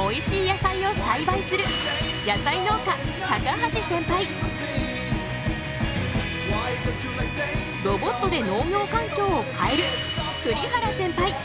おいしい野菜を栽培する野菜農家ロボットで農業環境を変える！